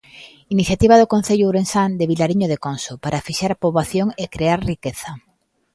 Iniciativa do concello ourensán de Vilariño de Conso para fixar poboación e crear riqueza.